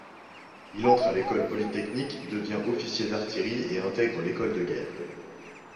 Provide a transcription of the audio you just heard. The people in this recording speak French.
Il entre à l'École polytechnique devient officier d'artillerie et intègre l'école de Guerre.